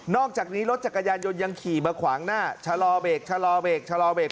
อกจากนี้รถจักรยานยนต์ยังขี่มาขวางหน้าชะลอเบรกชะลอเบรกชะลอเบรก